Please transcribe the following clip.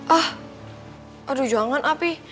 ah aduh jangan api